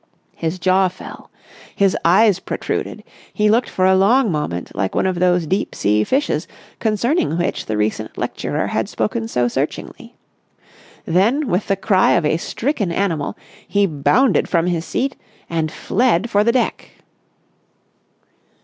His jaw fell. His eyes protruded. He looked for a long moment like one of those deep sea fishes concerning which the recent lecturer had spoken so searchingly. Then with the cry of a stricken animal, he bounded from his seat and fled for the deck.